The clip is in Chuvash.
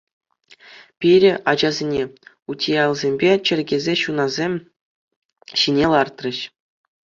Пире, ачасене, утиялсемпе чӗркесе ҫунасем ҫине лартрӗҫ.